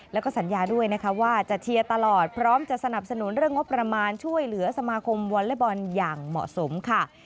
แล้วก็สัญญาด้วยนะคะว่าจะเชียร์ตลอดพร้อมจะสนับสนุนเรื่องงบประมาณช่วยเหลือสมาคมวอเล็กบอลอย่างเหมาะสมค่ะ